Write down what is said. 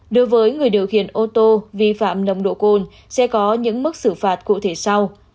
đối với người điều khiển ô tô vi phạm nồng độ cồn sẽ có những mức xử phạt cụ thể sau